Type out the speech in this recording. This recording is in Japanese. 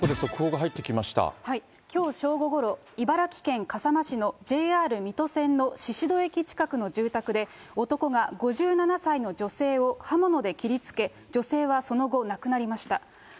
きょう正午ごろ、茨城県笠間市のＪＲ水戸線の宍戸駅近くの住宅で、男が５７歳の女性を刃物で切りつけ、女性はその後、亡くなりました。